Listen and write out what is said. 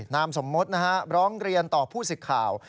นามสมมตินะฮะร้องเรียนต่อผู้สิทธิ์ข่าว